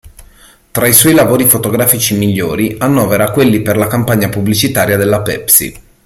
Tra i suoi lavori fotografici migliori annovera quelli per la campagna pubblicitaria della Pepsi.